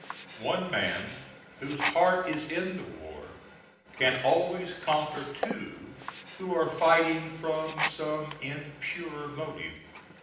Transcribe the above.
One man whose heart is in the war can always conquer two who are fighting from some impure motive.